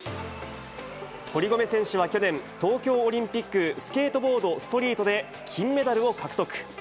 堀米選手は去年、東京オリンピックスケートボードストリートで金メダルを獲得。